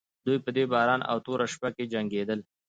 دوی په دې باران او توره شپه کې جنګېدل.